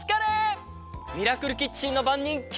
ミラクルキッチンのばんにんケイです！